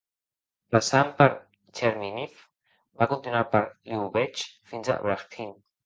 Passant per Chernihiv, va continuar per Liubech fins Brahin.